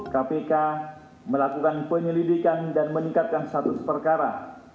kpk melakukan penyelidikan dan meningkatkan satu perkara